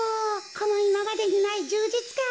このいままでにないじゅうじつかん。